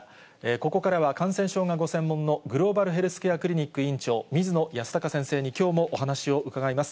ここからは感染症がご専門のグローバルヘルスクリニック院長、水野泰孝先生に、きょうもお話を伺います。